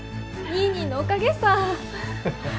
ニーニーのおかげさ！